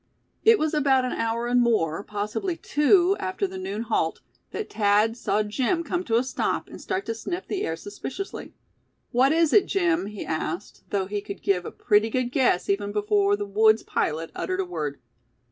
It was about an hour and more, possibly two, after the noon halt, that Thad saw Jim come to a stop, and start to sniff the air suspiciously. "What it it, Jim?" he asked, though he could give a pretty good guess even before the woods' pilot uttered a word.